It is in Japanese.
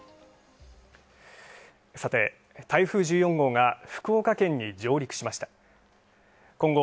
台風１４号が福岡県に上陸しました。